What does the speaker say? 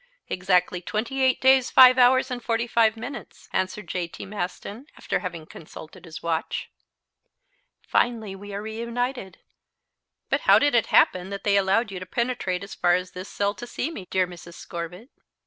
"Exactly twenty eight days, five hours and forty five minutes," answered J.T. Maston, after having consulted his watch. "Finally we are reunited." "But how did it happen that they allowed you to penetrate as far as this cell to see me, dear Mrs. Scorbitt?"